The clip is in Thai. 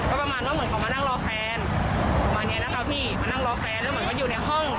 ประมาณนี้นะครับพี่มานั่งรอแฟนแล้วเหมือนก็อยู่ในห้อง